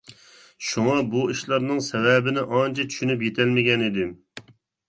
شۇڭا بۇ ئىشلارنىڭ سەۋەبىنى ئانچە چۈشىنىپ يېتەلمىگەنىدىم.